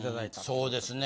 うんそうですね。